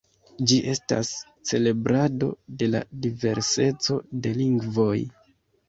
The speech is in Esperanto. Ĝi estas celebrado de la diverseco de lingvoj.